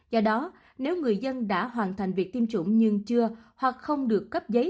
do đó nếu người dân đã hoàn thành việc tiêm chủng nhưng chưa hoặc không được cấp giấy